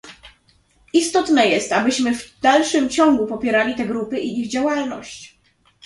Istotne jest, abyśmy w dalszym ciągu popierali te grupy i ich działalność